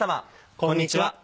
こんにちは。